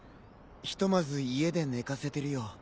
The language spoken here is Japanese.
ひとまず家で寝かせてるよ。